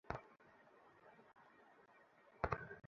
কেউ ছোট্ট থান্ডারকে ধরতে পারে না।